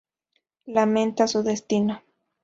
Lamenta su destino.